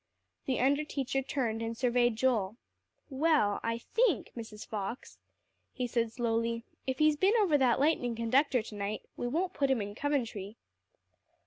The under teacher turned and surveyed Joel. "Well, I think, Mrs. Fox," he said slowly, "if he's been over that lightning conductor to night, we won't put him in Coventry."